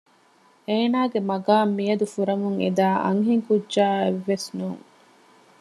އޭނާގެ މަގާމް މިއަދު ފުރަމުން އެދާ އަންހެންކުއްޖާއެއް ވެސް ނޫން